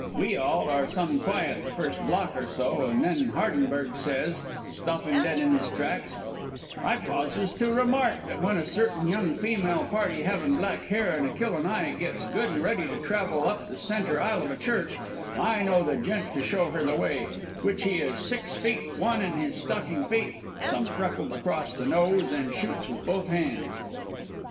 We all are some quiet the first block or so, and then Hardenberg says stoppin' dead in his tracks: "'I pauses to remark that when a certain young feemale party havin' black hair an' a killin' eye gets good an' ready to travel up the centre aisle of a church, I know the gent to show her the way, which he is six feet one in his stocking feet, some freckled across the nose, an' shoots with both hands.'